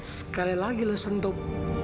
sekali lagi lo sentuh